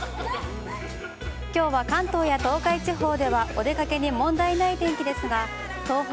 きょうは関東や東海地方では、お出かけに問題ない天気ですが、東北、